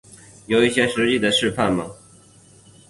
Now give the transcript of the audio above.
有一些实际的示范吗